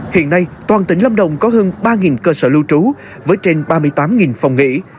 hiện nay toàn tỉnh lâm đồng có hơn ba cơ sở lưu trú với trên ba mươi tám phòng nghỉ